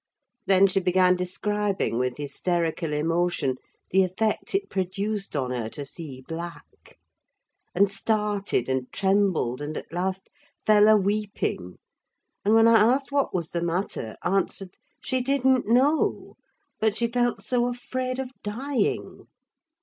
Then she began describing with hysterical emotion the effect it produced on her to see black; and started, and trembled, and, at last, fell a weeping—and when I asked what was the matter, answered, she didn't know; but she felt so afraid of dying!